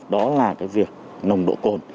đó là cái việc nồng độ côn